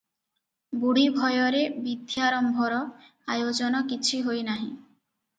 ବୁଢ଼ୀ ଭୟରେ ବିଧ୍ୟାରମ୍ଭର ଆୟୋଜନ କିଛି ହୋଇ ନାହିଁ ।